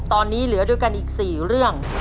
ตอนนี้เหลือด้วยกันอีก๔เรื่อง